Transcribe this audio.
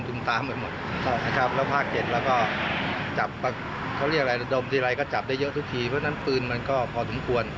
พากรเห็นแล้วก็จับดมทีไรก็จับได้เยอะทุกทีเพราะฉะนั้นปืนมันก็พอสมควร